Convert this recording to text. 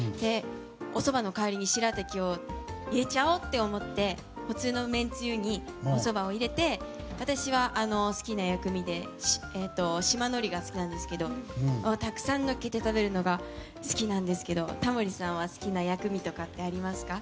おそばの代わりに白滝を入れちゃおうって思って普通の麺つゆにおそばを入れて私は、好きな薬味で島のりが好きなんですけどそれをたくさんのっけて食べるのが好きなんですけどタモリさんは好きな薬味とかってありますか？